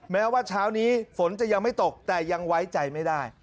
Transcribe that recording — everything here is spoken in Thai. แม้ว่าเช้านี้ฝนจะยังไม่ตกแต่ยังไว้ใจไม่ได้